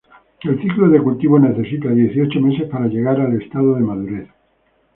El ciclo de cultivo necesita dieciocho meses para llegar al estado de madurez.